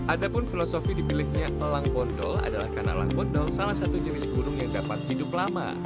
ada pun filosofi dipilihnya elang bondol adalah karena elang bondol salah satu jenis burung yang dapat hidup lama